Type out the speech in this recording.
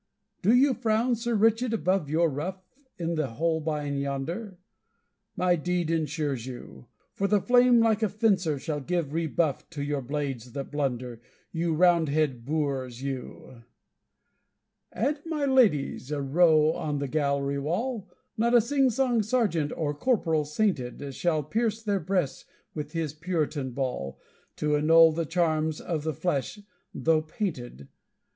Do you frown, Sir Richard, above your ruff, In the Holbein yonder? My deed ensures you! For the flame like a fencer shall give rebuff To your blades that blunder, you Roundhead boors, you! And my ladies, a row on the gallery wall, Not a sing song sergeant or corporal sainted Shall pierce their breasts with his Puritan ball, To annul the charms of the flesh, though painted!